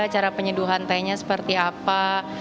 cara penyeduhan tehnya seperti apa